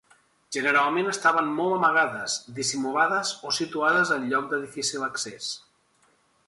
Generalment estaven molt amagades, dissimulades o situades en lloc de difícil accés.